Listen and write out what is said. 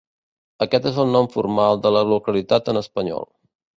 Aquest és el nom formal de la localitat en espanyol.